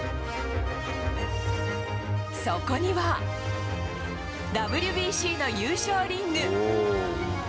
そこには、ＷＢＣの優勝リング。